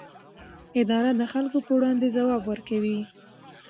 اداره د خلکو پر وړاندې ځواب ورکوي.